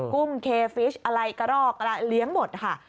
กุ้งเคฟิชอะไรกระรอกเลี้ยงหมดค่ะ